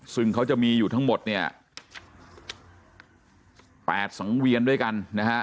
ซึ่งเขาจะมีอยู่ทั้งหมดเนี่ย๘สังเวียนด้วยกันนะฮะ